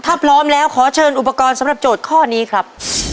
ถ้าพร้อมแล้วขอเชิญอุปกรณ์สำหรับโจทย์ข้อนี้ครับ